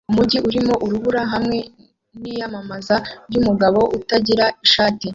Umujyi urimo urubura hamwe niyamamaza ryumugabo utagira ishati